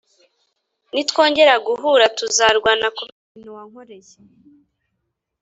Nitwongera guhura tuzarwana kubera ibintu wankoreye